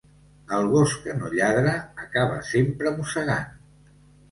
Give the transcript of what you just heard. El gos que no lladra acaba sempre mossegant.